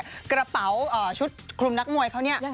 ทางไปเนี่ยกระเป๋าชุดคลุมนักมวยเขาเนี่ย